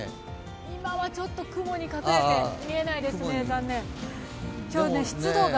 今はちょっと雲に隠れて見えないですね、残念。